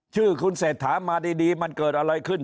ชื่อคุณเศรษฐามาดีมันเกิดอะไรขึ้น